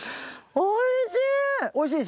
おいしい！